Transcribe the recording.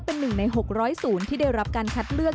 เป็น๑ใน๖๐๐ศูนย์ที่ได้รับการคัดเลือก